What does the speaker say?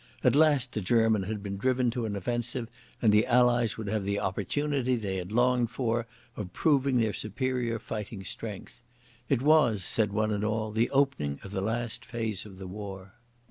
At last the German had been driven to an offensive, and the Allies would have the opportunity they had longed for of proving their superior fighting strength. It was, said one and all, the opening of the last phase of the war.